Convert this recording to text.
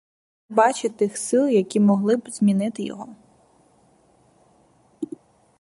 Він не бачить тих сил, які могли б змінити його.